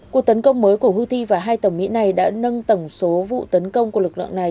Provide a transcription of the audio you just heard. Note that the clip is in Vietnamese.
cuộc tấn công mới của houthi và hai tàu mỹ này đã nâng tổng số vụ tấn công của lực lượng này